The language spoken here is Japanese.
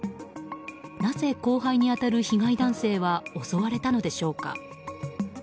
なぜ後輩に当たる被害男性は襲われたのでしょうか。